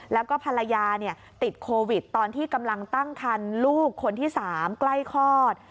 แล้วก็ภรรยาติดโควิดตอนที่กำลังตั้งคันลูกคนที่๓ใกล้คลอด